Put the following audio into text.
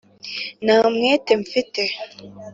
nta mwete mfite